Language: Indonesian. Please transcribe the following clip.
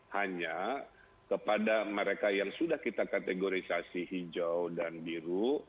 hanya kepada mereka yang sudah kita kategorisasi hijau dan biru